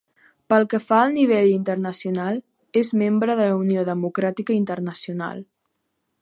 Pel que fa al nivell internacional, és membre de la Unió democràtica internacional.